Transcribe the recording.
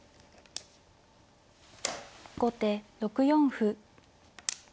後手６四歩。